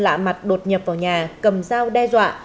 lạ mặt đột nhập vào nhà cầm dao đe dọa